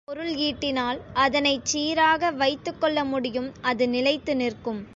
நேர்வழியில் பொருள் ஈட்டினால் அதனைச் சீராக வைத்துக்கொள்ள முடியும் அது நிலைத்து நிற்கும்.